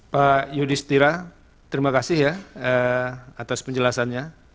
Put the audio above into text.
pak yudhistira terima kasih ya atas penjelasannya